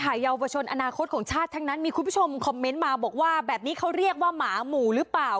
เยาวชนอนาคตของชาติทั้งนั้นมีคุณผู้ชมคอมเมนต์มาบอกว่าแบบนี้เขาเรียกว่าหมาหมู่หรือเปล่า